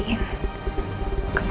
ke panti asuhan itu